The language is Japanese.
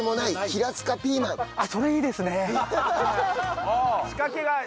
あっそれいいですね！